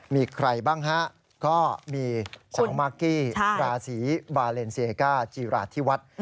มีใครบ้างฮะก็มีสาวมากกี้ราศีบาเลนเซกาจีราธิวัฒน์